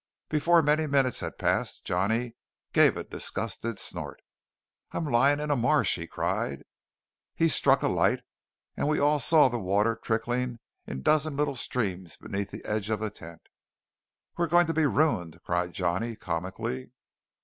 Before many minutes had passed Johnny gave a disgusted snort. "I'm lying in a marsh!" he cried. He struck a light, and we all saw the water trickling in a dozen little streams beneath the edge of the tent. "We're going to be ruined!" cried Johnny comically.